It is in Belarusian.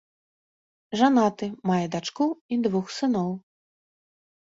Жанаты, мае дачку і двух сыноў.